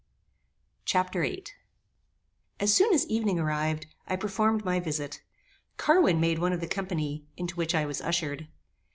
Chapter VIII As soon as evening arrived, I performed my visit. Carwin made one of the company, into which I was ushered.